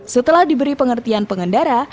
setelah diberi pengertian pengendara